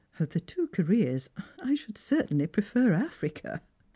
Of the two careers, I should certainfy prefer Africa